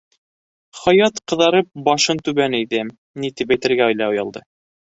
Хаят, ҡыҙарып, башын түбән эйҙе, ни тип әйтергә лә оялды.